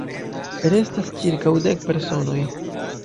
Restas ĉirkaŭ dek personoj.